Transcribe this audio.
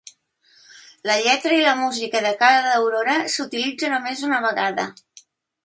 La lletra i la música de cada aurora s'utilitza només una vegada.